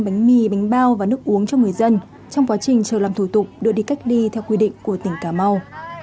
bánh mì bánh bao và nước uống cho người dân trong quá trình chờ làm thủ tục đưa đi cách ly theo quy định của tỉnh cà mau